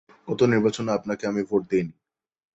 গত নির্বাচনে আপনাকে আমি ভোট দেইনি!